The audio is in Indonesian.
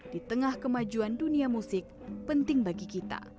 di tengah kemajuan dunia musik penting bagi kita